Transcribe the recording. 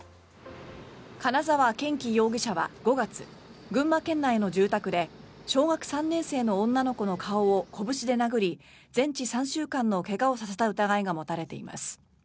金沢健樹容疑者は５月群馬県内の住宅で小学３年生の女の子の顔をこぶしで殴り全治３週間の怪我をさせた疑いが持たれています。